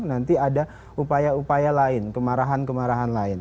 nanti ada upaya upaya lain kemarahan kemarahan lain